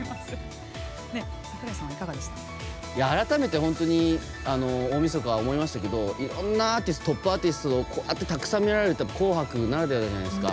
改めて大みそかにも思いましたけどいろんなトップアーティストをこうやってたくさん見られるって「紅白」ならではじゃないですか。